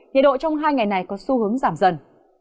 nhiệt độ trong hai ngày này có xu hướng giảm dần